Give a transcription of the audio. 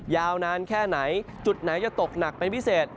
ยาวนานแค่ไหนจุดไหนจะตกหนักเป็นพิเศษ